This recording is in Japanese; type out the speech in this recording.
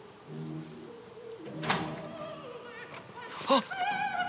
あっ。